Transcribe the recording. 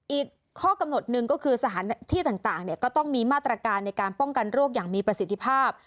อีกข้อกำหนดหนึ่งก็คือสถานที่ต่างก็ต้องมีมาตรการในการป้องกันโรคอย่างมีประสิทธิภาพ